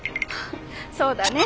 そうだね。